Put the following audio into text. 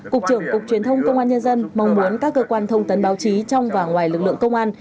cục trưởng cục truyền thông công an nhân dân mong muốn các cơ quan thông tấn báo chí trong và ngoài lực lượng công an